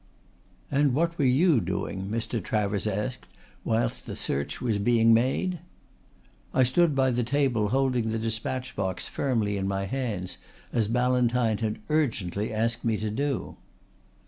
"And what were you doing," Mr. Travers asked, "whilst the search was being made?" "I stood by the table holding the despatch box firmly in my hands as Ballantyne had urgently asked me to do."